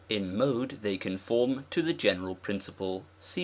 In Mode they conform to the general principle (§133).